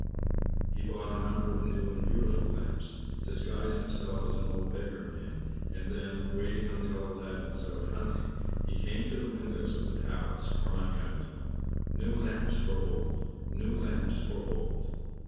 He bought a number of new and beautiful lamps, disguised himself as an old beggar man, and then, waiting until Aladdin was out hunting, he came to the windows of the Palace, crying out: "New lamps for old; new lamps for old."